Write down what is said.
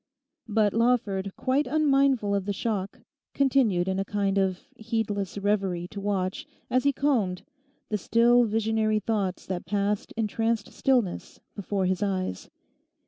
But Lawford, quite unmindful of the shock, continued in a kind of heedless reverie to watch, as he combed, the still visionary thoughts that passed in tranced stillness before his eyes.